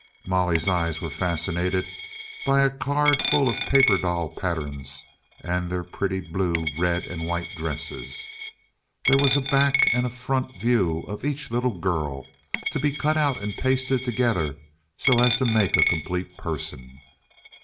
Molly's eyes were fascinated by a card full of paper doll patterns, and their pretty blue, red, and white dresses. There was a back and a front view of each little girl, to be cut out and pasted together so as to make a complete person.